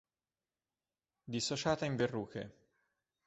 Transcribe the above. Dissociata in verruche.